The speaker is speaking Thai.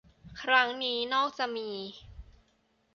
ครั้งนี้นอกจากมี